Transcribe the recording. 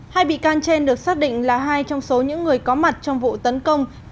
hai bị can trên được xác định là hai trong số những người có mặt trong vụ tấn công